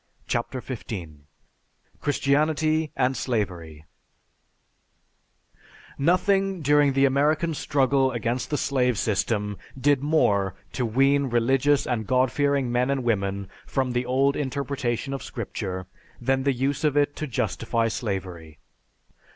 CHAPTER XV CHRISTIANITY AND SLAVERY _Nothing during the American struggle against the slave system did more to wean religious and God fearing men and women from the old interpretation of Scripture than the use of it to justify slavery.